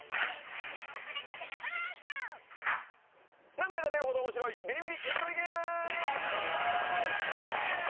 涙が出るほど面白い「ビリビリ椅子取りゲーム」！